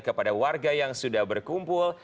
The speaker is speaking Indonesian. kepada warga yang sudah berkumpul